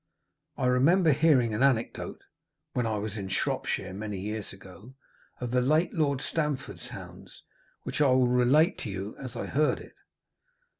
I remember hearing an anecdote (when I was in Shropshire many years ago) of the late Lord Stamford's hounds, which I will relate to you as I heard it.